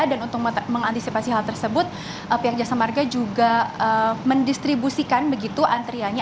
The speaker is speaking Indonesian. dan untuk mengantisipasi hal tersebut pihak jasa marga juga mendistribusikan begitu antriannya